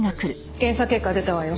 検査結果が出たわよ。